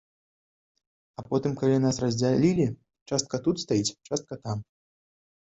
А потым калі нас раздзялілі, частка тут стаіць, частка там.